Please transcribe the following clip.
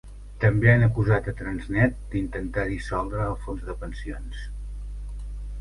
També han acusat a Transnet d'intentar dissoldre el fons de pensions.